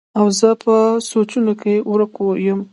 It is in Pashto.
او زۀ پۀ سوچونو کښې ورک يم